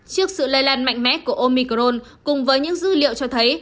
trước sự lây lan mạnh mẽ của omicron cùng với những dữ liệu cho thấy